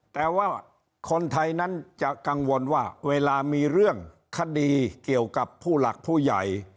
แต่ว่าคนไทยนั้นจะกังวลว่าเวลามีเรื่องคดีเกี่ยวกับผู้หลักผู้ใหญ่